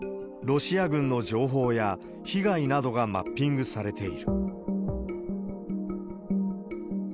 ロシア軍の情報や被害などがマッピングされている。